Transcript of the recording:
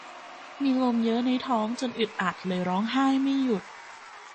มีลมเยอะในท้องจนอึดอัดเลยร้องไห้ไม่หยุด